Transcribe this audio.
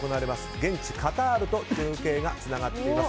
現地カタールと中継がつながっています。